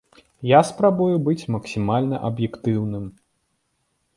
Я спрабую быць максімальна аб'ектыўным.